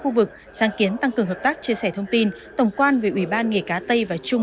khu vực sáng kiến tăng cường hợp tác chia sẻ thông tin tổng quan về ủy ban nghề cá tây và trung